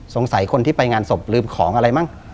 คนที่ไปงานศพลืมของอะไรมั้ง